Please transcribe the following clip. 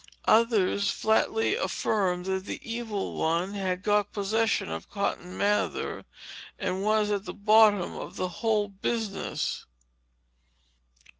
Others flatly affirmed that the Evil One had got possession of Cotton Mather, and was at the bottom of the whole business.